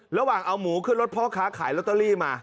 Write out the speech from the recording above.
ระหว่างเอาหมูขึ้นรถพ่อค้าขายลอตเตอรี่มา